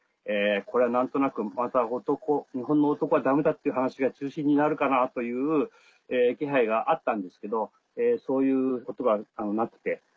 これは何となくまた日本の男はダメだっていう話が中心になるかなという気配があったんですけどそういうことがなくて。